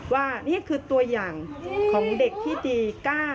ว่านี่คือตัวอย่างของเด็กที่ดี๙